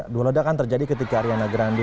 dua ledakan terjadi ketika ariana grande